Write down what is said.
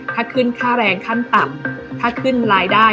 ถ้าขึ้นค่าแรงขั้นต่ำถ้าขึ้นรายได้